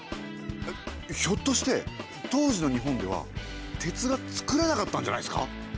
ひょっとして当時の日本では鉄が作れなかったんじゃないですか？